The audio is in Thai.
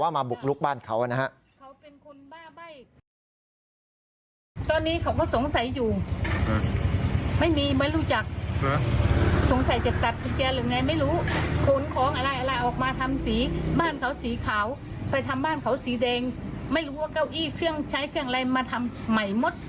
มาบุกลุกบ้านเขานะฮะ